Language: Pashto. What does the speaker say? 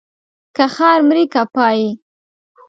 که ښار مرې که پايي.